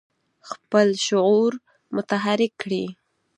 خپل شعور متحرک کړي.